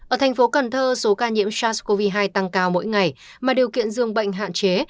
ở thành phố cần thơ số ca nhiễm sars cov hai tăng cao mỗi ngày mà điều kiện dương bệnh hạn chế